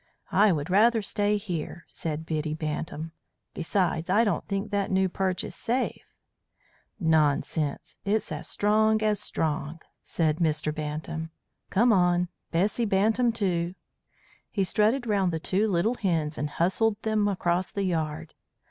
"I would rather stay here," said Biddy Bantam. "Besides, I don't think that new perch is safe." "Nonsense! It's as strong as strong," said Mr. Bantam. "Come on. Bessy Bantam too." He strutted round the two little hens and hustled them across the yard.